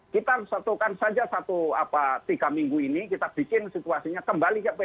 kita satukan saja satu apa tiga minggu ini kita bikin situasinya kembali ke psb betul